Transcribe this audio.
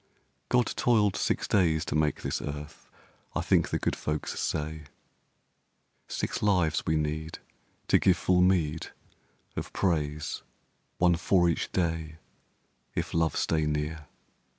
God toiled six days to make this earth, I think the good folks say— Six lives we need to give full meed Of praise—one for each day (If love stay near).